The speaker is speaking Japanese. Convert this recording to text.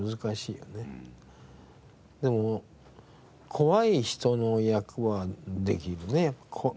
でも怖い人の役はできるね。